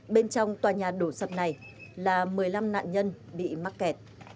bên trong tòa nhà đổ sập này là một mươi năm nạn nhân bị mắc kẹt